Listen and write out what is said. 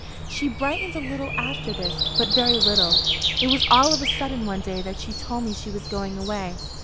She brightened a little after this, but very little. It was all of a sudden one day that she told me she was going away.